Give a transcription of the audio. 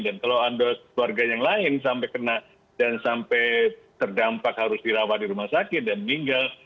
dan kalau andos keluarga yang lain sampai terdampak harus dirawat di rumah sakit dan meninggal